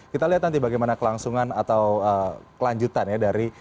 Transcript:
kita lihat nanti bagaimana kelangsungan atau kelanjutan ya dari